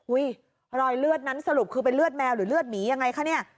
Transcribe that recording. รอยเลือดนั้นสรุปคือเป็นเลือดแมวหรือเลือดหมียังไงคะเนี่ย